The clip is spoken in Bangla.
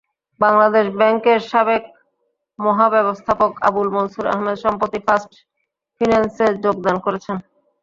বাংলাদেশ ব্যাংকের সাবেক মহাব্যবস্থাপক আবুল মনসুর আহমেদ সম্প্রতি ফার্স্ট ফিন্যান্সে যোগদান করেছেন।